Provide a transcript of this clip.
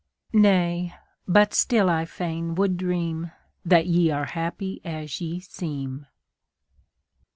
Nay but still I fain would dream That ye are happy as ye seem.